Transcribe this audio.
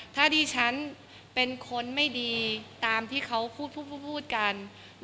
ถ้าดิฉันเป็นคนไม่ดีตามที่เขาพูดพูดกัน